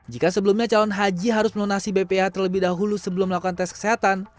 jika sebelumnya calon haji harus melunasi bpa terlebih dahulu sebelum melakukan tes kesehatan